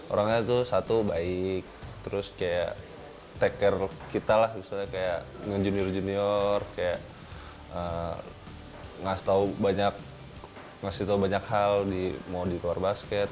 orangnya tuh satu baik terus kayak take care kita lah misalnya kayak nge junior junior kayak ngasih tau banyak hal mau di luar basket